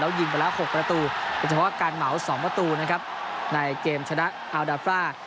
แล้วยิงไปแล้ว๖ประตูเป็นเฉพาะการเหมา๒ประตูในเกมชนะอัลดาฟรา